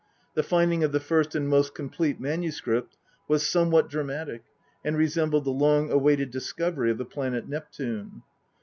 The finding of the first and most complete MS. was somewhat dramatic, and resembled the long awaited discovery of the planet Neptune.